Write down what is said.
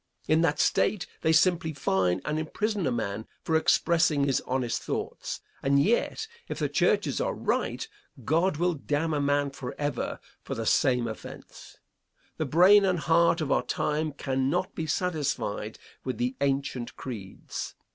In that State they simply fine and imprison a man for expressing his honest thoughts; and yet, if the churches are right, God will damn a man forever for the same offence. The brain and heart of our time cannot be satisfied with the ancient creeds.